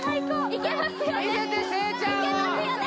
いけますよね？